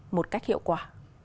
một cách hiệu quả